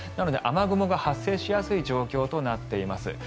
雨雲が発生しやすい状況となっています。